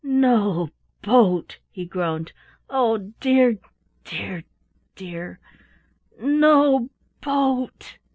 "No boat," he groaned. "Oh, dear, dear, dear no boat!"